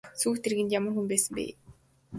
Сүйх тэргэнд ямар хүн байсан бэ?